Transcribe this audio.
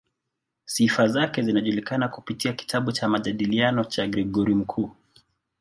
Sifa zake zinajulikana kupitia kitabu cha "Majadiliano" cha Gregori Mkuu.